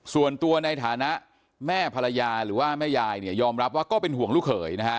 ส่วนตัวในฐานะแม่ภรรยาหรือว่าแม่ยายเนี่ยยอมรับว่าก็เป็นห่วงลูกเขยนะฮะ